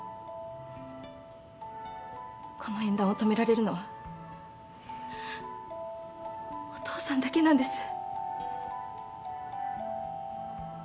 この縁談を止められるのはお父さんだけなんです。